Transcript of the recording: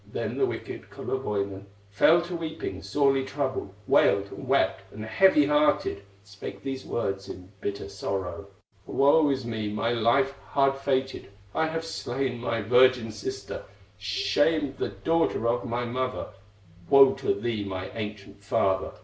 Then the wicked Kullerwoinen Fell to weeping, sorely troubled, Wailed, and wept, and heavy hearted, Spake these words in bitter sorrow: "Woe is me, my life hard fated! I have slain my virgin sister, Shamed the daughter of my mother; Woe to thee, my ancient father!